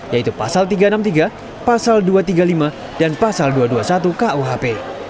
yaitu pasal tiga ratus enam puluh tiga pasal dua ratus tiga puluh lima dan pasal dua ratus dua puluh satu kuhp